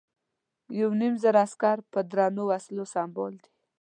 یو نیم زره عسکر په درنو وسلو سمبال دي.